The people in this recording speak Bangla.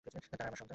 তারা আমার সন্তান।